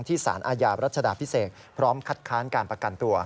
สารอาญารัชดาพิเศษพร้อมคัดค้านการประกันตัว